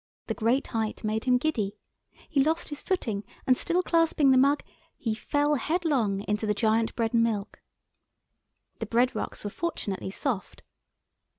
The great height made him giddy. He lost his footing, and still clasping the mug, he fell headlong into the giant bread and milk. The bread rocks were fortunately soft.